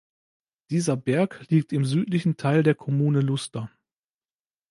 Dieser Berg liegt im südlichen Teil der Kommune Luster.